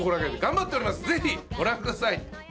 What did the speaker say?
ぜひご覧ください。